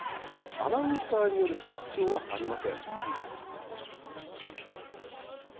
アナウンサーによる実況はありません。